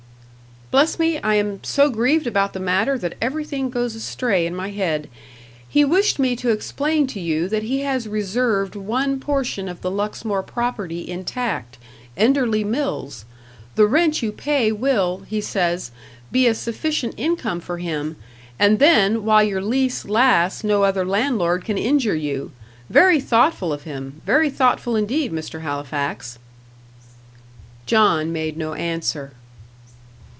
"Bless me I am so grieved about the matter that everything goes astray in my head. He wished me to explain to you that he has reserved one portion of the Luxmore property intact Enderley Mills. The rent you pay will, he says, be a sufficient income for him; and then while your lease lasts no other landlord can injure you. Very thoughtful of him very thoughtful indeed, Mr. Halifax." John made no answer.